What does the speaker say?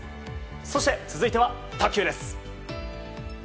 そして、続いては卓球です。